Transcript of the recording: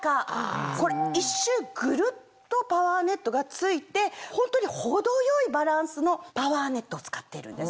これ１周ぐるっとパワーネットが付いてホントに程よいバランスのパワーネットを使っているんです。